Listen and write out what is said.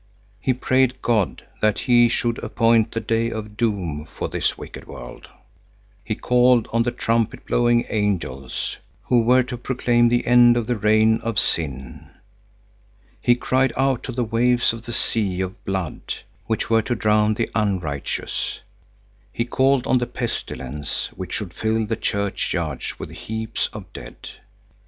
He prayed God that He should appoint the day of doom for this wicked world. He called on the trumpet blowing angels, who were to proclaim the end of the reign of sin. He cried out to the waves of the sea of blood, which were to drown the unrighteous. He called on the pestilence, which should fill the churchyards with heaps of dead.